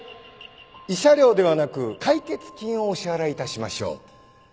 慰謝料ではなく解決金をお支払いいたしましょう。